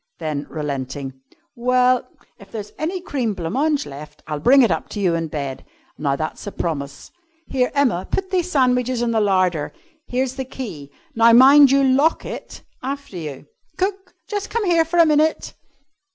Then, relenting, "Well, if there's any cream blanc mange left I'll bring it up to you in bed. Now that's a promise. Here, Emma, put these sandwiches in the larder. Here's the key! Now mind you lock it after you!" "Cook! Just come here for a minute."